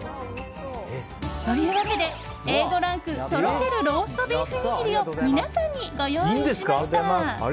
というわけで、Ａ５ランクとろけるローストビーフにぎりを皆さんにご用意しました。